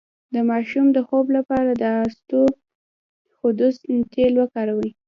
د ماشوم د خوب لپاره د اسطوخودوس تېل وکاروئ